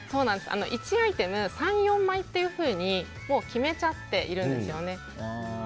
１アイテム３４枚って決めちゃってるんですよね。